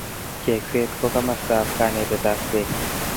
chegset ko kamstap kanetet apkei